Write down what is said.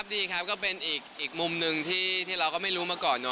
ดีครับก็เป็นอีกมุมหนึ่งที่เราก็ไม่รู้มาก่อนเนอ